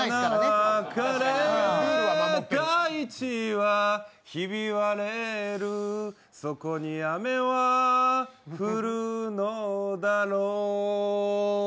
花は枯れ、大地はひび割れるそこに雨は降るのだろう